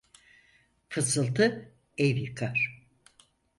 Fısıltı ev yıkar.